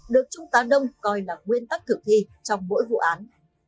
được trung tá đông coi là nguyên tắc thực thi trong mỗi vụ án